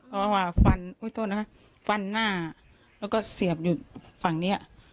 เพราะว่าฟันอุ้ยโทษนะคะฟันหน้าแล้วก็เสียบอยู่ฝั่งเนี้ย